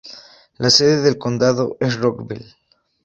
La sede del condado es Rockville.